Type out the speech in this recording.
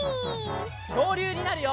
きょうりゅうになるよ！